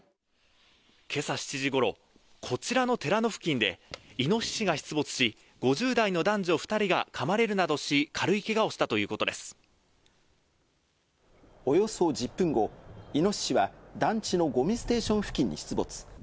けさ７時ごろ、こちらの寺の付近で、イノシシが出没し、５０代の男女２人がかまれるなどし、軽いけがおよそ１０分後、イノシシは団地のごみステーション付近に出没。